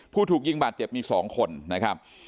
ถูกยิงบาดเจ็บมี๒คนนะครับ